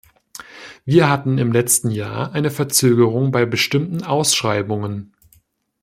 Wir hatten im letzten Jahr eine Verzögerung bei bestimmten Ausschreibungen.